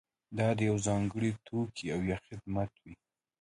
دا د یوه ځانګړي توکي او یا خدمت وي.